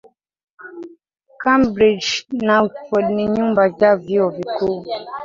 Cambridge na Oxford ni nyumba za vyuo vikuu